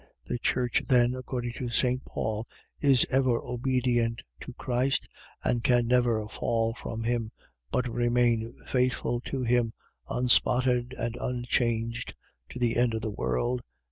. .The church then, according to St. Paul, is ever obedient to Christ, and can never fall from him, but remain faithful to him, unspotted and unchanged to the end of the world.